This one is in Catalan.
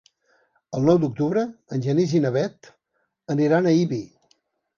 El nou d'octubre en Genís i na Bet aniran a Ibi.